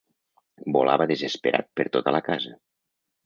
Volava desesperat per tota la casa.